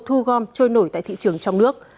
thu gom trôi nổi tại thị trường trong nước